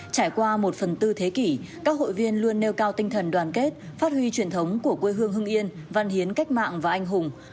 trải qua một phần tư thế kỷ các hội viên luôn nêu cao tinh thần đoàn kết phát huy truyền thống của quê hương hưng yên văn hiến cách mạng và anh hùng